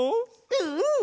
うん！